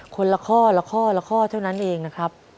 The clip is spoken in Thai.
คนละข้อละข้อละข้อเท่านั้นเองนะครับ